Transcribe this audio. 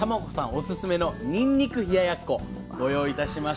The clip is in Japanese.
オススメのにんにく冷ややっこご用意いたしました。